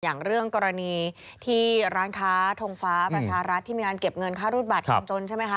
อย่างเรื่องกรณีที่ร้านค้าทงฟ้าประชารัฐที่มีการเก็บเงินค่ารูดบัตรคนจนใช่ไหมคะ